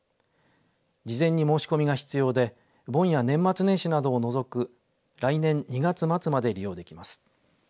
事前に申し込みが必要で盆や年末年始などを除く来年２月末まで利用できます。